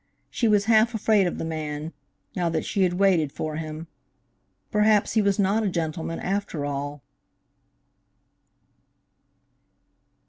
She was half afraid of the man, now that she had waited for him. Perhaps he was not a gentleman, after all.